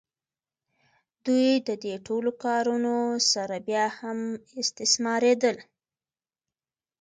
دوی د دې ټولو کارونو سره بیا هم استثماریدل.